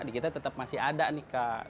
di kita tetap masih ada nih kak